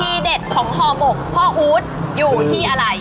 เด็ดของห่อหมกพ่ออู๊ดอยู่ที่อะไร